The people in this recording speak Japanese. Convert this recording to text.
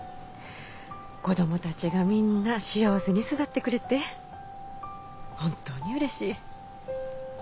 子供たちがみんな幸せに巣立ってくれて本当にうれしい。